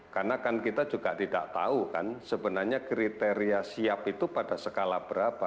karena kan kita juga tidak tahu kan sebenarnya kriteria siap itu pada skala berapa